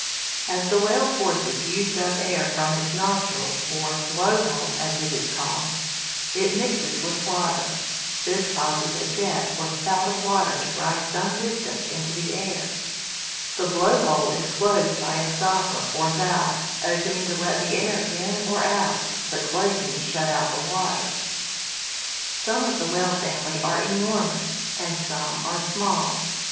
As the Whale forces used up air from its nostril or "blow hole," as it is called it mixes with water; this causes a jet or spout of water to rise some distance into the air. The blow hole is closed by a stopper or valve, opening to let the air in or out, but closing to shut out the water. Some of the Whale family are enormous, and some are small.